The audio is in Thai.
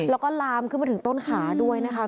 แล้วก็ลามขึ้นมาถึงต้นขาด้วยนะคะ